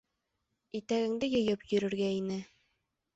Итәгеңде йыйып йөрөргә ине.